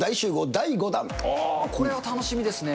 おー、これは楽しみですね。